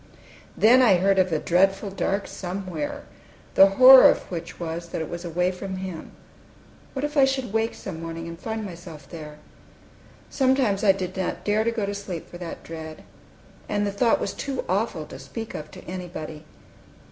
Then I heard of a dreadful dark Somewhere, the horror of which was that it was away from Him. What if I should wake some morning, and find myself there? Sometimes I did not dare to go to sleep for that dread. And the thought was too awful to speak of to anybody.